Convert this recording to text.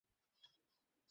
ওহ, তাহলে তো ভালোই।